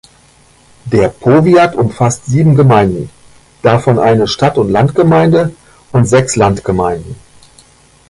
Der Powiat umfasst sieben Gemeinden, davon eine Stadt-und-Land-Gemeinde und sechs Landgemeinden.